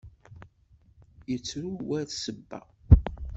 Yettru war ssebba.